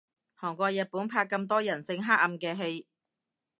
韓國日本拍咁多人性黑暗嘅戲